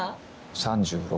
３６。